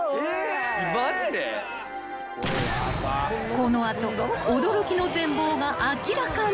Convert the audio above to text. ［この後驚きの全貌が明らかに］